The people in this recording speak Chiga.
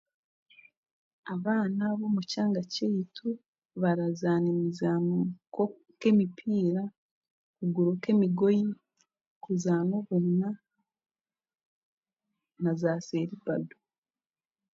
Abaana b'omukyanga kyaitu barazaaniisa nk'emipiira, okuguruka emigoyi, okuzaana akahuna, n'aza seripado